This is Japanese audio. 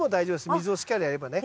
水をしっかりやればね。